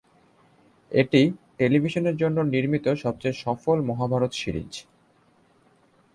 এটি টেলিভিশনের জন্য নির্মিত সবচেয়ে সফল মহাভারত সিরিজ।